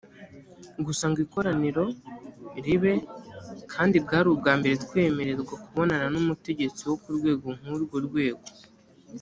gusa ngo ikoraniro ribe kandi bwari ubwa mbere twemererwa kubonana n umutegetsi wo ku rwego nk urwo rwego